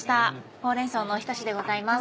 「ほうれん草のおひたし」でございます。